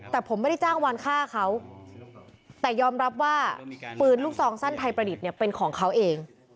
แต่ผมไม่ได้จ้างวานฆ่าเขาแต่ยอมรับว่าปืนลูกซองสั้นไทยประดิษฐ์เนี่ยเป็นของเขาเอง